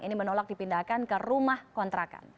ini menolak dipindahkan ke rumah kontrakan